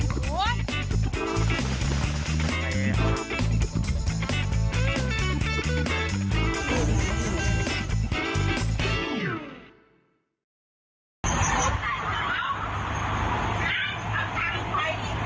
ปุ๊บ